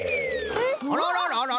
あららららら？